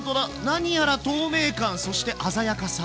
何やら透明感そして鮮やかさ。